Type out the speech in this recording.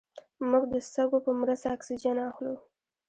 موږ د سږو په مرسته اکسیجن اخلو